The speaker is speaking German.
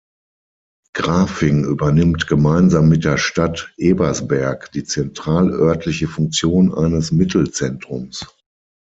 Grafing übernimmt gemeinsam mit der Stadt Ebersberg die zentralörtliche Funktion eines Mittelzentrums.